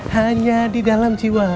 hanya di dalam jiwa